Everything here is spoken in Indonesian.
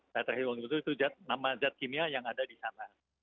tetrahydrokanabinol itu nama zat kimia yang ada di sana